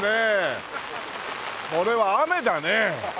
これは雨だね！